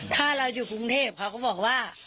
ถ้าเราอยู่กรุงเทพเขาก็บอกว่า